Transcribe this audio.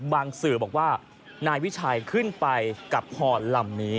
สื่อบอกว่านายวิชัยขึ้นไปกับห่อลำนี้